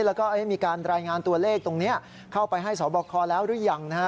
แล้วก็มีการรายงานตัวเลขตรงนี้เข้าไปให้สอบคอแล้วหรือยังนะฮะ